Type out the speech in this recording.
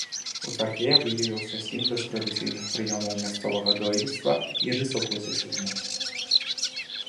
У царкве выявіўся сінтэз традыцыйных прыёмаў мясцовага дойлідства і рысаў класіцызму.